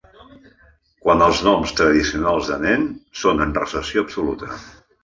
Quant als noms tradicionals de nen, són en recessió absoluta.